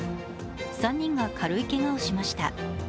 ３人が軽いけがをしました。